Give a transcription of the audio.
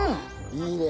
いいね。